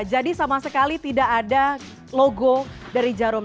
jadi sama sekali tidak ada logo dari jarum